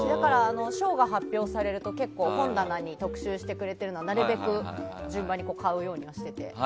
賞が発表されると本棚に特集してくれてるのなるべく順番に買うようにはしていて。